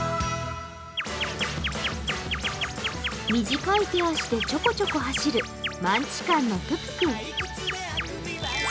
短い手足でちょこちょこ走る、マンチカンのププ君。